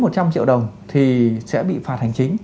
một trăm linh triệu đồng thì sẽ bị phạt hành chính